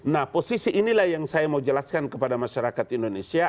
nah posisi inilah yang saya mau jelaskan kepada masyarakat indonesia